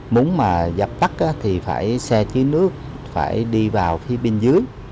muốn mà dập tắt thì phải xe chứa nước phải đi vào phía bên dưới